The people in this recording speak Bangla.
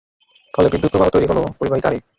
ফলে বিদ্যুৎ–প্রবাহ তৈরি হলো পরিবাহী তারে।